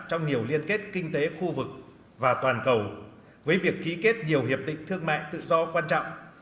trong nhiều liên kết kinh tế khu vực và toàn cầu với việc ký kết nhiều hiệp định thương mại tự do quan trọng